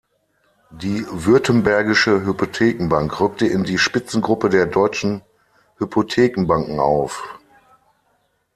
Die Württembergische Hypothekenbank rückte in die Spitzengruppe der deutschen Hypothekenbanken auf.